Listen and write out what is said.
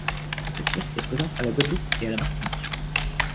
Cette espèce est présente à la Guadeloupe et à la Martinique.